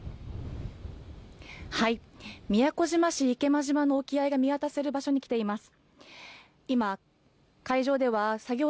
宮古島市池間島の沖合が見渡せる場所に来ています。